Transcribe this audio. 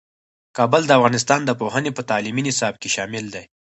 کابل د افغانستان د پوهنې په تعلیمي نصاب کې شامل دی.